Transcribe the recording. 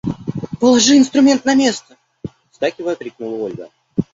Положи инструмент на место! – вскакивая, крикнула Ольга.